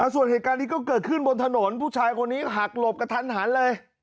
ส่วนเหตุการณ์นี้ก็เกิดขึ้นบนถนนผู้ชายคนนี้หักหลบกระทันหันเลย